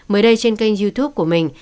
mới đây trên kênh youtube của mình